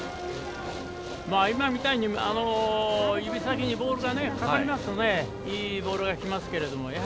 今みたいに指先にボールがかかりますといいボールが来ますが。